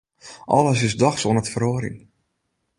Alles is dochs oan it feroarjen.